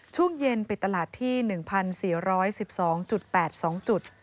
ช่วงเย็นปิดตลาดที่๑๔๑๒๘๒จุด